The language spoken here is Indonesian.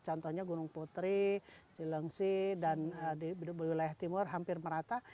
contohnya gunung putri cilengsi dan di wilayah timur hampir merata